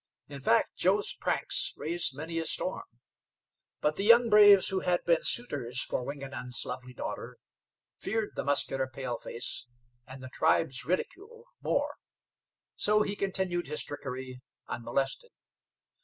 In fact, Joe's pranks raised many a storm; but the young braves who had been suitors for Wingenund's lovely daughter, feared the muscular paleface, and the tribe's ridicule more; so he continued his trickery unmolested.